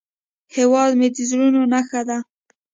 هیواد مې د زړونو نخښه ده